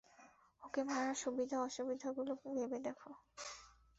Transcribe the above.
ওকে মারার সুবিধা অসুবিধাগুলো ভেবে দেখ।